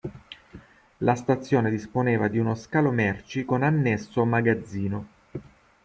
La stazione disponeva di uno scalo merci con annesso magazzino.